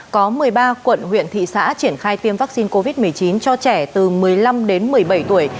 có một mươi ba quận huyện thị xã triển khai tiêm vaccine covid một mươi chín cho trẻ từ một mươi năm đến một mươi bảy tuổi